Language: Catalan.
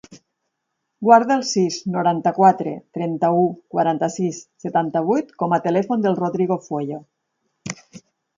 Guarda el sis, noranta-quatre, trenta-u, quaranta-sis, setanta-vuit com a telèfon del Rodrigo Fueyo.